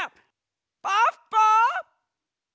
ポッポ！